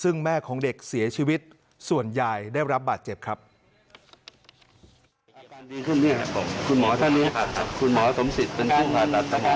ซึ่งแม่ของเด็กเสียชีวิตส่วนยายได้รับบาดเจ็บครับซึ่งแม่ของเด็กเสียชีวิตส่วนยายได้รับบาดเจ็บครับ